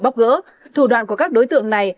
bóc gỡ thủ đoàn của các đối tượng này